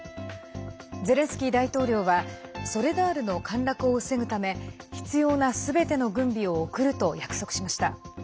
ゼレンスキー大統領はソレダールの陥落を防ぐため必要なすべての軍備を送ると約束しました。